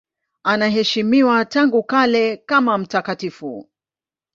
Anaheshimiwa tangu kale kama mtakatifu.